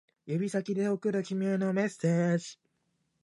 修正